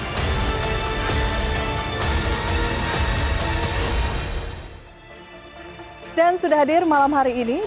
ilmu itu ia gunakan untuk menggambarkan perjalanan perjalanan ke dunia